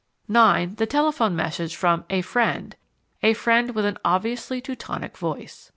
(9) The telephone message from "a friend" a friend with an obviously Teutonic voice.